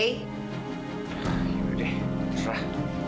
ya udah deh terserah